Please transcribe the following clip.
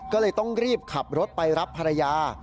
ก็เลยต้องรีบขับรถไปรับภรรยา